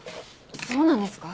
そうなんですか。